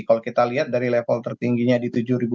kalau kita lihat dari level tertingginya di tujuh lima ratus